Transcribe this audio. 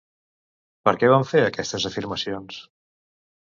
Per què van fer aquestes afirmacions?